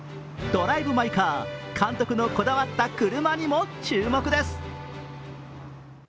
「ドライブ・マイ・カー」、監督のこだわった車にも注目です。